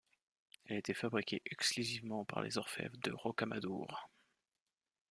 Elle était fabriquée exclusivement par les orfèvres de Rocamadour.